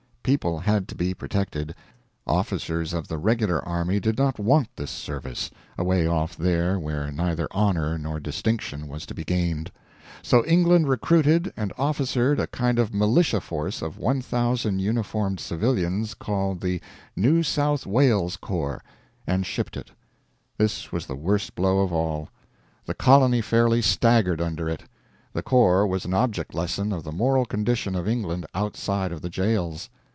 People had to be protected. Officers of the regular army did not want this service away off there where neither honor nor distinction was to be gained. So England recruited and officered a kind of militia force of 1,000 uniformed civilians called the "New South Wales Corps" and shipped it. This was the worst blow of all. The colony fairly staggered under it. The Corps was an object lesson of the moral condition of England outside of the jails.